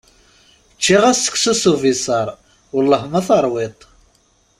Ččiɣ-as seksu s ubisaṛ, Wellah ma teṛwiḍ-t.